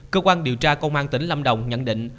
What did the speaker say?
cơ quan điều tra công an tỉnh lâm đồng nhận định